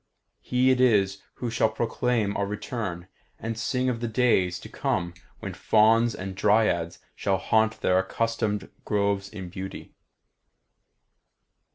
He it is who shall proclaim our return, and sing of the days to come when Fauns and Dryads shall haunt their accustomed groves in beauty.